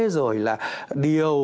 rồi là điều